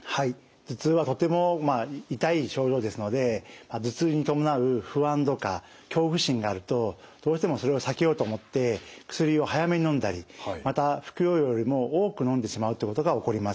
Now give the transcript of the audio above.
頭痛はとても痛い症状ですので頭痛に伴う不安とか恐怖心があるとどうしてもそれを避けようと思って薬を早めにのんだりまた服用量よりも多くのんでしまうっていうことが起こります。